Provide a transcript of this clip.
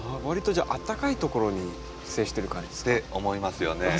わりとあったかいところに自生してる感じですか？って思いますよね。